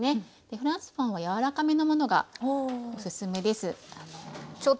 フランスパンは柔らかめのものがおすすめです。